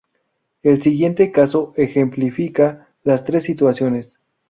El siguiente caso ejemplifica las tres situaciones.